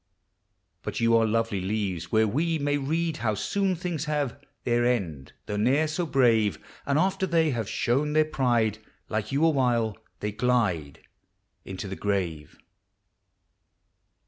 But you are lovely leaves, \\ here we May rend how soon things have Their end, though ne'er so brave ; And after they have shown their pride Like you awhile, 1he.\ glide Into the grave.